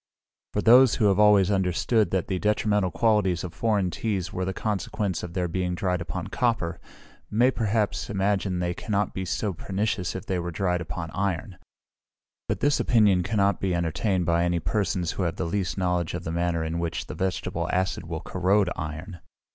For those who have always understood that the detrimental qualities of foreign teas were the consequence of their being dried upon copper, may perhaps imagine they cannot be so pernicious if they were dried upon iron; but this opinion cannot be entertained by any persons who have the least knowledge of the manner in which the vegetable acid will corrode iron.